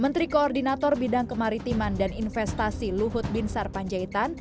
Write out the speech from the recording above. menteri koordinator bidang kemaritiman dan investasi luhut bin sarpanjaitan